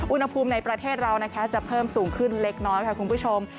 อุณหภูมิในประเทศเรานะคะจะเพิ่มสูงขึ้นเล็กน้อยค่ะคุณผู้ชม